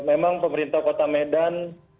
memang pemerintah kota medan